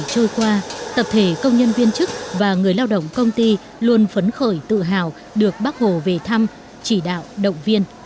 hơn nửa thế kỷ qua tập thể công nhân viên chức và người lao động công ty luôn phấn khởi tự hào được bác hồ về thăm chỉ đạo động viên